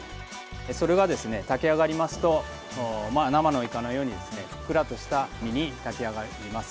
それが炊き上がりますと生のイカのようにふっくらとした身に炊き上がります。